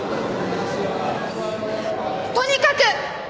とにかく！